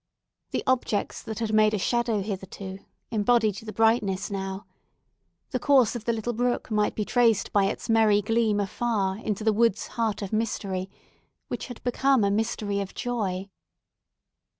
The objects that had made a shadow hitherto, embodied the brightness now. The course of the little brook might be traced by its merry gleam afar into the wood's heart of mystery, which had become a mystery of joy.